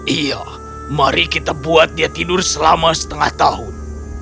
iya mari kita buat dia tidur selama setengah tahun